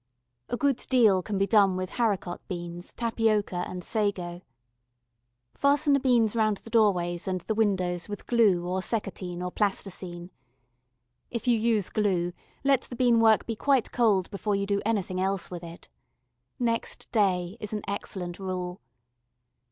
A good deal can be done with haricot beans, tapioca, and sago. Fasten the beans round the doorways and the windows with glue or seccotine or Plasticine. If you use glue let the bean work be quite cold before you do anything else with it. "Next day" is an excellent rule.